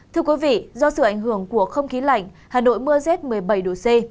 thưa quý vị do sự ảnh hưởng của không khí lạnh hà nội mưa rét một mươi bảy độ c